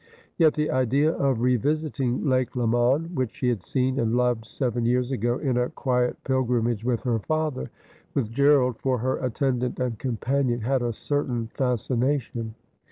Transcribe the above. Yet the idea, of revisiting Lake Leman — which she had seen and loved seven years ago in a quiet pil grimage with her father — with Gerald for her attendant and companion, had a certain fascination.